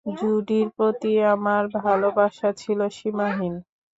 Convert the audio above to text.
জুডির প্রতি আমার ভালবাসা ছিল সীমাহীন।